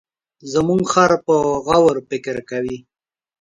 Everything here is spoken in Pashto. زموږ خر په غور فکر کوي.